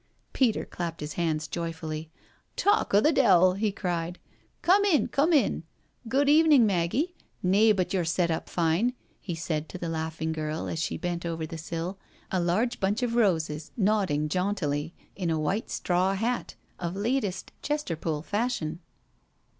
Peter clapped his hands joyfully. " Talk o* the de*ill'* he cried. *' Come in, come in. Good evenin*, Maggie; nay, but yo're set up fine," he said to the laughing girl, as she bent over the sill, a large bunch of roses nodding jauntily in a white straw hat of latest Chester pool fashion.